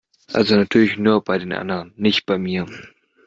Also natürlich nur bei den anderen, nicht bei mir!